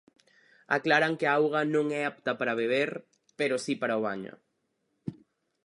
Aclaran que a auga non é apta para beber, pero si para o baño.